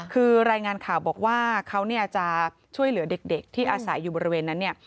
คือรายงานข่าวบอกว่าเขาจะช่วยเหลือเด็กที่อาศัยอยู่บริเวณนั้นเนี่ย